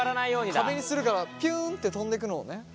壁にするからピュンって飛んでいくのをね。